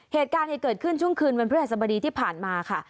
เหตุการณ์เกิดขึ้นช่วงคืนวันพฤหัสบดีที่ผ่านมาค่ะ